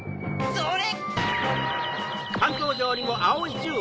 それ！